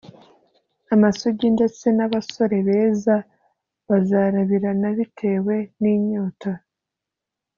Amasugi ndetse n’ abasore beza bazarabirana bitewe n’ inyota